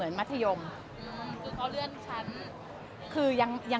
อืมคือเขาเลื่อนชั้น